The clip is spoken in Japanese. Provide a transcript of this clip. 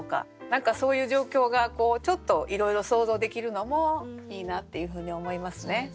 何かそういう状況がちょっといろいろ想像できるのもいいなっていうふうに思いますね。